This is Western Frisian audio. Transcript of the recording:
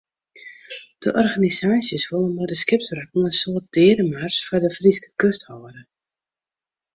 De organisaasjes wolle mei de skipswrakken in soart deademars foar de Fryske kust hâlde.